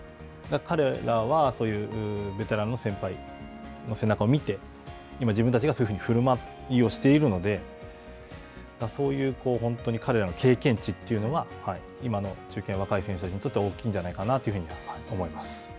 彼らは、ベテランの先輩の背中を見て、今、自分たちがそういうふるまいをしているので、そういう彼らの経験値というのは今の中堅の若い選手たちにとっては、大きいんじゃないかなというふうには思います。